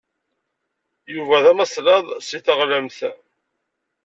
Yuba d amaslaḍ seg teɣlamt.